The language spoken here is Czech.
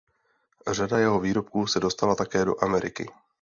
Řada jeho výrobků se dostala také do Ameriky.